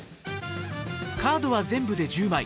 カードは全部で１０枚。